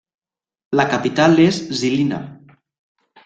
La capital és Žilina.